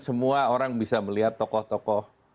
semua orang bisa melihat tokoh tokoh